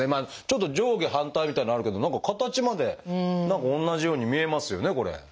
ちょっと上下反対みたいなのあるけど何か形まで何か同じように見えますよねこれ。